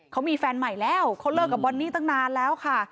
เขามีแฟนใหม่แล้วเขาเลิกกับบอนนี่ตั้งนานแล้วค่ะ